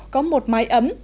có một mái ấm